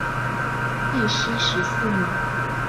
义熙十四年。